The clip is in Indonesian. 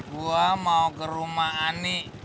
gua mau ke rumah ani